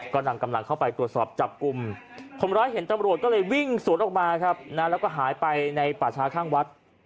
ก็นำกำลังเข้าไปตรวจสอบจับกลุ่มคนร้ายเห็นตำรวจก็เลยวิ่งสวนออกมาครับนะแล้วก็หายไปในป่าช้าข้างวัด